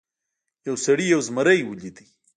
یو سړي یو زمری ولید.